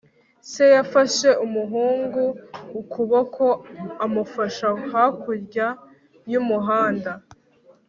se yafashe umuhungu ukuboko amufasha hakurya y'umuhanda. (lukaszpp